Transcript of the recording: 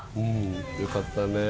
よかったね。